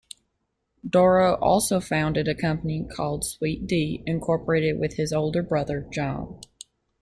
Dorough also founded a company called Sweet D, Incorporated with his older brother John.